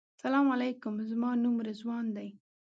سلام علیکم زما نوم رضوان دی.